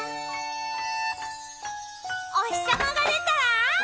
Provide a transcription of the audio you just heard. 「おひさまがでたらわーい！